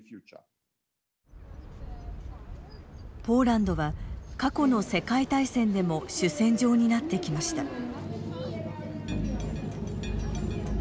ポーランドは過去の世界大戦でも主戦場になってきました。